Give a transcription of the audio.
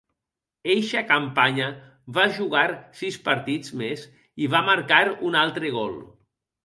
Eixa campanya va jugar sis partits més i va marcar un altre gol.